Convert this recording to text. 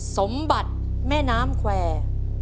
สมบัติแม่น้ำแควร์